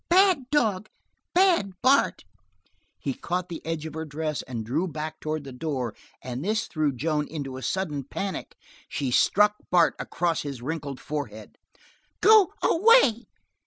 Bad dog! Bad Bart!" He caught the edge of her dress and drew back toward the door, and this threw Joan into a sudden panic. She struck Bart across his wrinkled forehead. "Go away!"